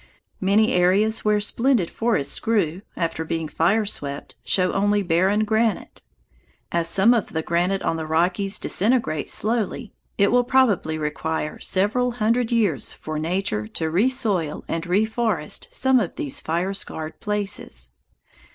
Many areas where splendid forests grew, after being fire swept, show only barren granite. As some of the granite on the Rockies disintegrates slowly, it will probably require several hundred years for Nature to resoil and reforest some of these fire scarred places.